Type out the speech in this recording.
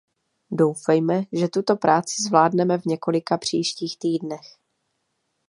Doufejme, že tuto práci zvládneme v několika příštích týdnech.